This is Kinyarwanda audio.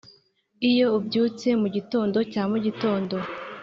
iyo ubyutse mugitondo cya mugitondo